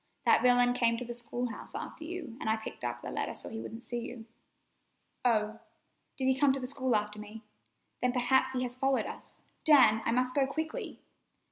That villain came to the school house after you, an' I picked up the letter so he wouldn't see it." "Oh, did he come to the school after me? Then perhaps he has followed us. Dan, I must go quickly!"